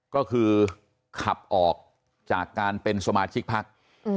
ก็คือขับออกจากการเป็นสมาชิกพัก